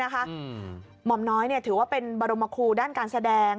หม่อมน้อยถือว่าเป็นบรมคูด้านการแสดง